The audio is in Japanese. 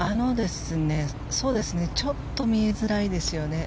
ちょっと見えづらいですよね。